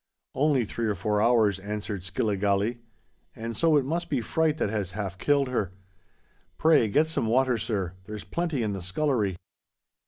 "Only three or four hours," answered Skilligalee; "and so it must be fright that has half killed her. Pray get some water, sir—there's plenty in the scullery."